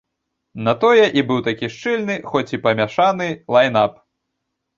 На тое і быў такі шчыльны, хоць і памяшаны, лайн-ап.